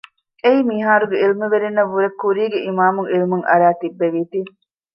އެއީ މިހާރުގެ ޢިލްމުވެރިންނަށް ވުރެން ކުރީގެ އިމާމުން ޢިލްމަށް އަރައި ތިއްބެވީތީ